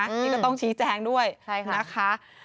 นี่ก็ต้องชี้แจงด้วยนะคะ